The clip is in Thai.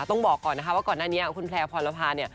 ต้องบอกก่อนนะคะว่าก่อนหน้านี้คุณแพลร์พรภาเนี่ย